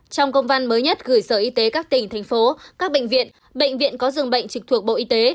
trong công văn mới nhất gửi sở y tế các tỉnh thành phố các bệnh viện bệnh viện có dường bệnh trực thuộc bộ y tế